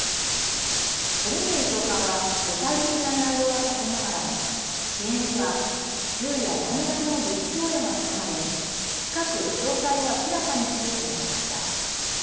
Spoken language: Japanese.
ブリンケン長官は具体的な内容は避けながらも支援には銃や弾薬の武器供与が含まれ近く詳細を明らかにすると述べました。